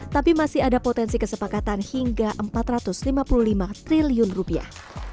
tapi masih ada potensi kesepakatan hingga empat ratus lima puluh lima triliun rupiah